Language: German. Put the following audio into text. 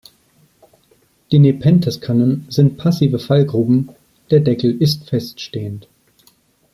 Die Nepenthes-Kannen sind passive Fallgruben, der Deckel ist feststehend.